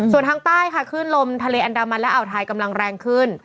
ส่วนทางใต้ค่ะขึ้นลมทะเลอันดามันและอ่าวไทยกำลังแรงขึ้น